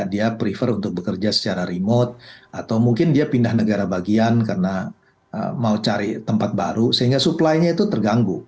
dia prefer untuk bekerja secara remote atau mungkin dia pindah negara bagian karena mau cari tempat baru sehingga supply nya itu terganggu